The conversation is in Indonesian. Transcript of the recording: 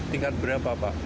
tingkat berapa pak